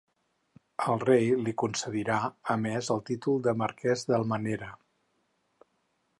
El Rei li concedirà a més el títol de marquès d'Almenara.